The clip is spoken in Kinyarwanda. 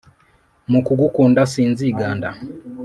Mu kugukunda sinziganda!!